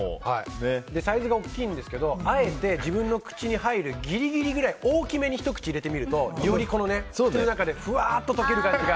サイズが大きいんですけどあえて自分の口に入るぎりぎりくらい大きめにひと口入れてみるとより口の中でふわっと溶ける感じが。